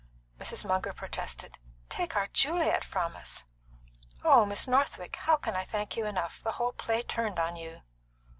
Mrs. Munger protested. "Take our Juliet from us! Oh, Miss Northwick, how can I thank you enough? The whole play turned upon you!"